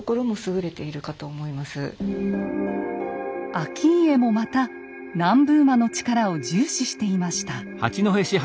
顕家もまた南部馬の力を重視していました。